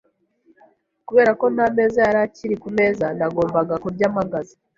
Kubera ko nta meza yari akiri ku meza, nagombaga kurya mpagaze.